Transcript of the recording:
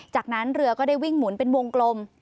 จากนั้นเรือก็ได้วิ่งหมุนเป็นวงกลม